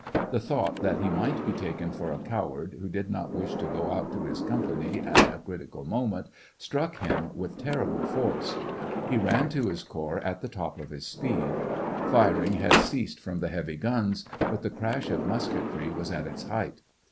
The thought that he might be taken for a coward, who did not wish to go out to his company at a critical moment, struck him with terrible force. He ran to his corps at the top of his speed. Fir 248 SEVASTOPOL IN AUGUST. ing had ceased from the heavy guns ; but the crash of muske'try was at its height.